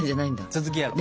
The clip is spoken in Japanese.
続きやろう。